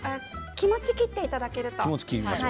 気持ち切っていただけると。